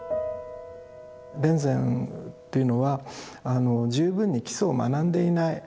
田善っていうのはあの十分に基礎を学んでいない。